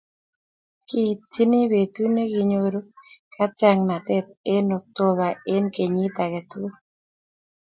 Kiityini betut ne kikinyoru katyaknatet eng' oktoba eng' kenyit age tugul.